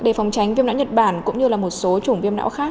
để phòng tránh viêm não nhật bản cũng như là một số chủng viêm não khác